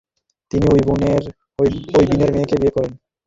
তিনি উই বিনের মেয়েকে বিয়ে করেন।